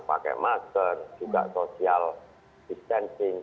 pakai masker juga social distancing